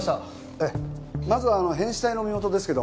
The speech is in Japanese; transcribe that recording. えっまずはあの変死体の身元ですけど。